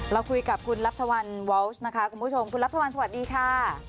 เราคุยกับคุณรัฐวันวอล์นะคะคุณผู้ชมคุณรัฐวันสวัสดีค่ะ